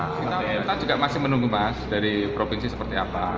kita juga masih menunggu mas dari provinsi seperti apa